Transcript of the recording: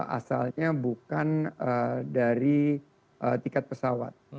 asalnya bukan dari tiket pesawat